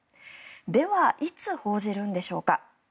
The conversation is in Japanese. ではいつ報じるんでしょうか。